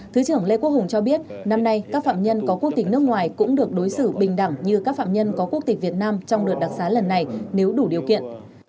thứ trưởng lê quốc hùng cho biết năm nay các phạm nhân có quốc tịch nước ngoài cũng được đối xử bình đẳng như các phạm nhân có quốc tịch việt nam trong đợt đặc xá lần này nếu đủ điều kiện